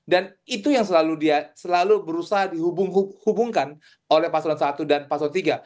dan itu yang selalu dia selalu berusaha dihubungkan oleh pasangan nomor satu dan pasangan nomor tiga